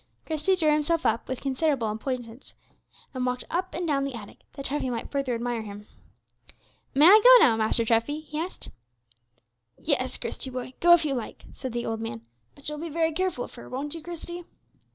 Christie drew himself up with considerable importance, and walked up and down the attic, that Treffy might further admire him. "May I go now, Master Treffy?" he asked. "Yes, Christie, boy, go if you like," said the old man; "but you'll be very careful of her, won't you, Christie?"